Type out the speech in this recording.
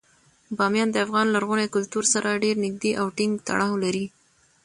بامیان د افغان لرغوني کلتور سره ډیر نږدې او ټینګ تړاو لري.